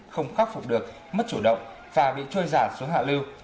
không khắc phục được mất chủ động và bị trôi giả xuống hạ lưu